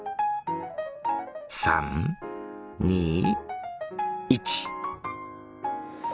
３２１。